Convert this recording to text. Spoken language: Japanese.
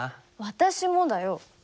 私もだよ。